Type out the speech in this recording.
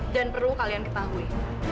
dan perlu kalian ketahui